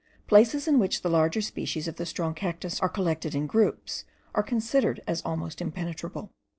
Places in which the larger species of the strong cactus are collected in groups are considered as almost impenetrable.